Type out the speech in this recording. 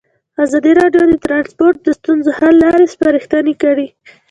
ازادي راډیو د ترانسپورټ د ستونزو حل لارې سپارښتنې کړي.